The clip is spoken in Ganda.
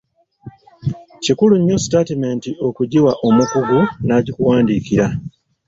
Kikulu nnyo sitaatimenti okugiwa omukugu n'agikuwandiikira.